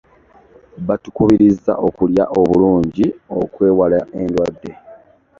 batukubiriza okulya obulungi okwewala endwadde.